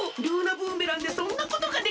ブーメランでそんなことができるんか！